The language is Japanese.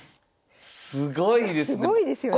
すごいですね。